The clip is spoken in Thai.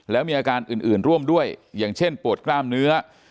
แล้วมีอาการอื่นร่วมด้วยอย่างเช่นปวดกล้ามเนื้อ